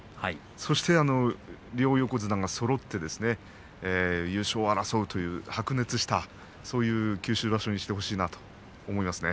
そして両横綱がそろって優勝を争うという白熱したそういう九州場所にしてほしいなと思います。